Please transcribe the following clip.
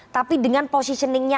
tapi dengan positioningnya